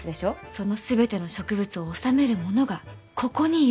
その全ての植物を修める者がここにいるんです。